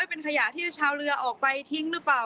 เป็นขยะที่ชาวเรือออกไปทิ้งหรือเปล่า